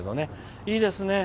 いいですね。